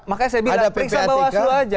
makanya saya bilang periksa bawaslu aja